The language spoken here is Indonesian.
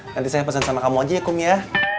nanti saya pesan sama kamu aja ya kum ya